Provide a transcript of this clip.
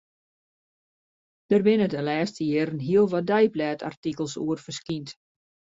Dêr binne de lêste jierren hiel wat deiblêdartikels oer ferskynd.